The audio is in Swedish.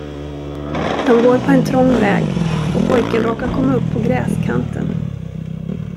De går på en trång väg, och pojken råkar komma upp på gräskanten.